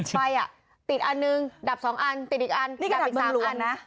ไฟติดอันหนึ่งดับสองอันติดอีกอันดับอีกสามอัน